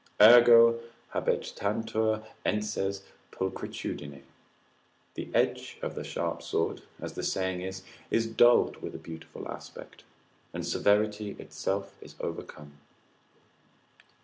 Ergo habetantur enses pulchritudine, the edge of a sharp sword (as the saying is) is dulled with a beautiful aspect, and severity itself is overcome.